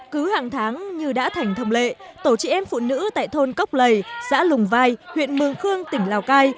cứ hàng tháng như đã thành thông lệ tổ chị em phụ nữ tại thôn cốc lầy xã lùng vai huyện mường khương tỉnh lào cai